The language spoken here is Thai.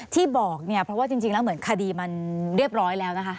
ที่บอกเนี่ยเพราะว่าจริงแล้วเหมือนคดีมันเรียบร้อยแล้วนะคะ